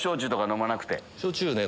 焼酎ね